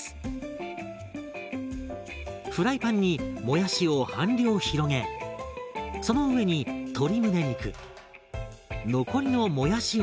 フライパンにもやしを半量広げその上に鶏むね肉残りのもやしをのせます。